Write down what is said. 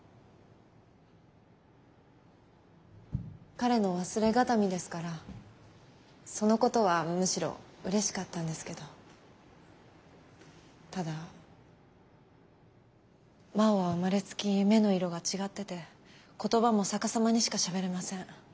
彼の忘れ形見ですからそのことはむしろうれしかったんですけどただ真央は生まれつき目の色が違ってて言葉も逆さまにしかしゃべれません。